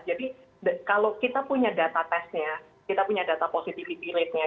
jadi kalau kita punya data testnya kita punya data positivity ratenya